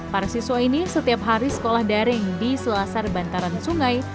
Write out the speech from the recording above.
para siswa ini setiap hari sekolah daring di selasar bantaran sungai